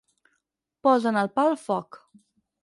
Posen el pa al foc.